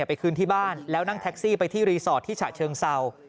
ไปคืนที่บ้านแล้วนั่งแท็กซี่ไปที่รีสอร์ทที่ฉะเชิงเศร้า